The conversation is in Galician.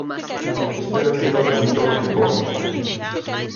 Espero axudalos en todo o que poda.